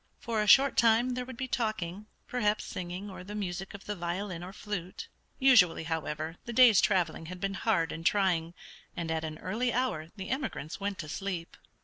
For a short time there would be talking, perhaps singing, or the music of the violin or flute. Usually, however, the day's traveling had been hard and trying, and at an early hour the emigrants went to sleep.